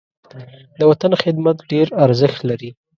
د وطن خدمت ډېر ارزښت لري.